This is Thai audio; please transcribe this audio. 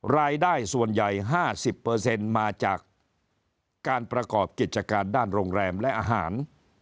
รายได้ส่วนใหญ่๕๐มาจากการประกอบกิจการด้านโรงแรมและอาหาร